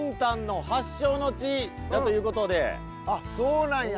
あっそうなんや。